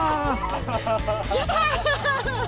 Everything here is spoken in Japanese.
やったー！